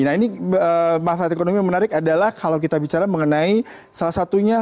nah ini manfaat ekonomi yang menarik adalah kalau kita bicara mengenai salah satunya